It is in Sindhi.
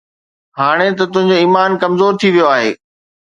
هاڻي ته تنهنجو ايمان ڪمزور ٿي ويو آهي،